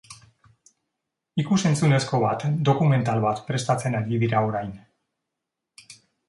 Ikusentzunezko bat, dokumental bat prestatzen ari dira orain.